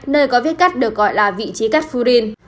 nơi có viết cắt được gọi là vị trí cắt furin